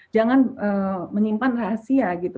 jangan menyimpan rahasia gitu